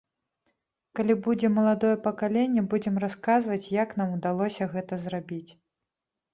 Калі будзе маладое пакаленне, будзем расказваць, як нам удалося гэта зрабіць.